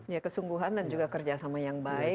ya kesungguhan dan juga kerjasama yang baik